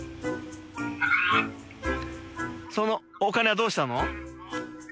そのお金はどうしたの？